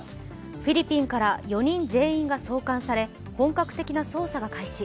フィリピンから４人全員が送還され本格的な捜査が開始。